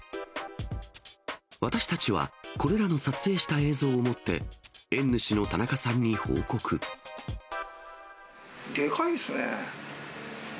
私たちはこれらの撮影した映像を持って、でかいですね。